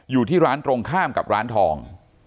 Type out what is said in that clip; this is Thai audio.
อยู่ที่ร้านตรงข้ามกับร้านทอง